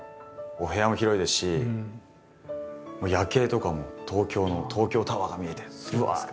お部屋も広いですし夜景とかも東京の東京タワーが見えてぶわっと。